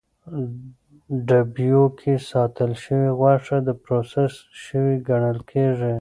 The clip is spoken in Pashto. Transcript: ډبیو کې ساتل شوې غوښه د پروسس شوې ګڼل کېږي.